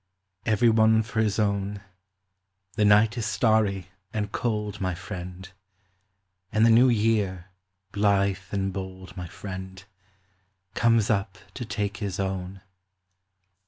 Every one for his own. The night is starry and cold, my friend, And the New year, blithe and bold, my friend, Comes up to take his own.